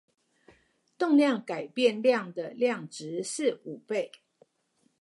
動量改變量的量值是五倍